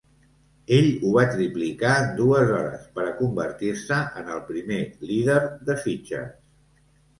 Ell ho va triplicar en dues hores per a convertir-se en el primer líder de fitxes.